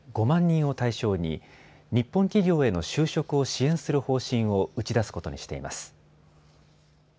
５万人を対象に日本企業への就職を支援する方針を打ち出すことにしています。